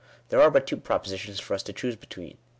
I There are but two propositions for us to choose between.